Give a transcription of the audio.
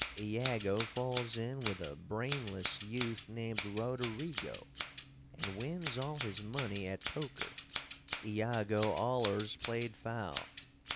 Iago falls in with a brainless youth named Roderigo & wins all his money at poker. (Iago allers played foul.)